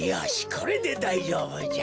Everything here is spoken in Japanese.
これでだいじょうぶじゃ。